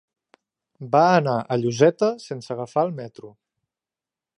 Va anar a Lloseta sense agafar el metro.